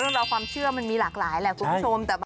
เราความเชื่อมันมีหลากหลายแหละคุณผู้ชม